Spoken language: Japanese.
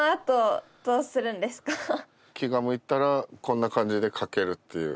気が向いたらこんな感じでかけるっていう。